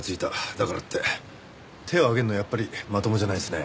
だからって手を上げるのはやっぱりまともじゃないですね。